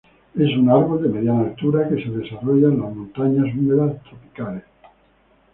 Es un árbol de mediana altura que se desarrolla en las montaña húmedas tropicales.